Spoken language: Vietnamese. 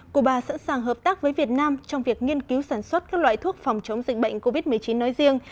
cuba sẵn sàng hợp tác với việt nam trong việc nghiên cứu sản xuất các loại thuốc phòng chống dịch bệnh covid một mươi chín nói riêng